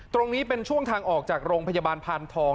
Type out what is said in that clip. ตรงนี้เป็นช่วงทางออกจากโรงพยาบาลพานทอง